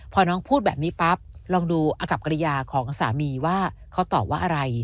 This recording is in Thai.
พอน้องพูดแบบนี้ปั๊บลองดูอากับกริยาของสามีว่าเขาตอบว่าอะไร